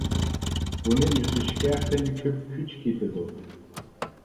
بۇنى ئۈزۈشكە خېلى كۆپ كۈچ كېتىدۇ.